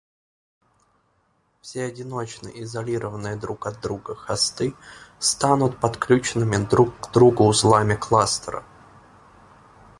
Все одиночные, изолированные друг от друга хосты станут подключенными друг к другу узлами кластера